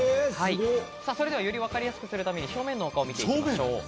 それでは、より分かりやすくするために正面のお顔を見てみましょう。